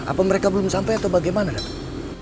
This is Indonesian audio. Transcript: apa mereka belum sampai atau bagaimana dok